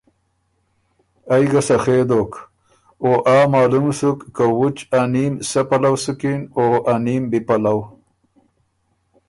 ائ ګۀ سخې دوک او آ معلوم سُک که وُچ ا نیم سۀ پلؤ سُکِن او ا نیم بی پلؤ۔